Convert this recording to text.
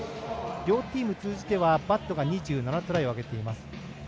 両チーム通じては、バットが２７トライを挙げています。